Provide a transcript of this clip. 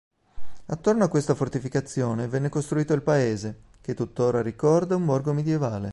Attorno a questa fortificazione venne costruito il paese, che tuttora ricorda un borgo medievale.